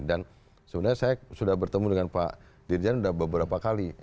dan sebenarnya saya sudah bertemu dengan pak dirjan sudah beberapa kali